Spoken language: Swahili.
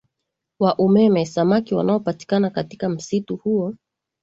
wa umeme Samaki wanaopatikana katika msitu huo